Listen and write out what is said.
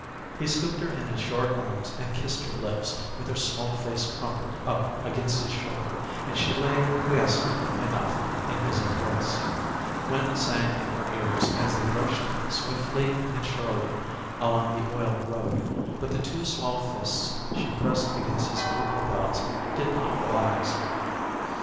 He scooped her in his short arms and kissed her lips, with her small face crumpled up against his shoulder, and she lay quiescent enough in his embrace. Wind sang in her ears as they rushed swiftly and surely along the oiled road, but the two small fists she pressed against his coat lapels did not relax.